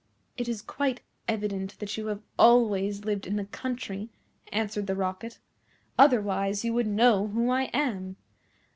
"It is quite evident that you have always lived in the country," answered the Rocket, "otherwise you would know who I am.